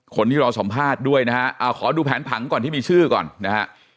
คนที่รอสัมภาษณ์ด้วยนะฮะขอดูแผนผังก่อนที่มีชื่อก่อนนะฮะ